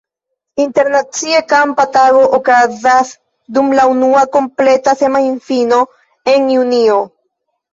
Internacie kampa tago okazas dum la unua kompleta semajnfino en junio.